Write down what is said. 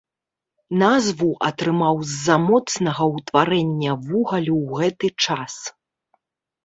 Назву атрымаў з-за моцнага ўтварэння вугалю ў гэты час.